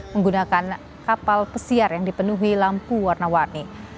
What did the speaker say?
menggunakan kapal pesiar yang dipenuhi lampu warna warni